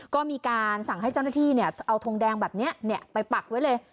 ก็มีการสั่งให้เจ้าหน้าที่เอาทงแดงแบบนี้ไปปักไว้เลย